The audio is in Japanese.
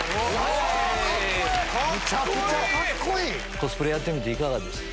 コスプレやってみていかがでした？